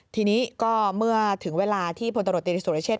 ทีนี้ก็เมื่อถึงเวลาที่พลตรวจตรีสุรเชษฐ